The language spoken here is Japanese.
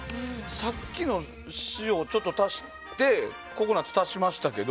さっきの塩をちょっと足してココナッツ足しましたけど。